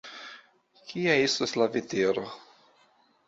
Kia estos la vetero?